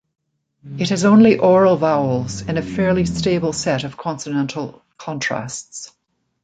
It has only oral vowels and a fairly stable set of consonantal contrasts.